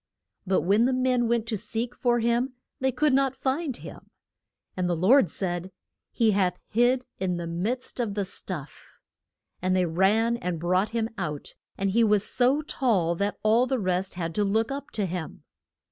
But when the men went to seek for him, they could not find him. And the Lord said, He hath hid in the midst of the stuff. And they ran and brought him out, and he was so tall that all the rest had to look up to him.